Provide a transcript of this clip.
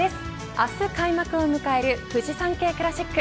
明日開幕を迎えるフジサンケイクラシック。